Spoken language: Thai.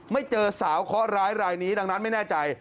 ไม่เจอสาวเคาะร้ายรายนี้ดังนั้นไม่แน่ใจ